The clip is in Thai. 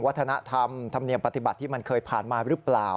วัฒนธรรมธรรมเนียมปฏิบัติที่มันเคยผ่านมาหรือเปล่า